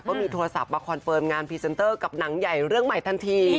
ก็มีโทรศัพท์มาคอนเฟิร์มงานพรีเซนเตอร์กับหนังใหญ่เรื่องใหม่ทันที